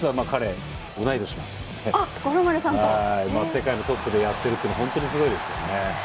世界のトップでやってるというのは本当にすごいですよね。